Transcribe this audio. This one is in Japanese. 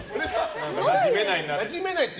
なじめないなって。